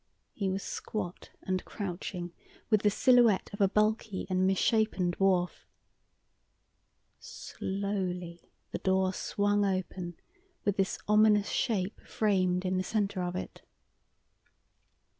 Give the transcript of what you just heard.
He was squat and crouching, with the silhouette of a bulky and misshapen dwarf. Slowly the door swung open with this ominous shape framed in the centre of it.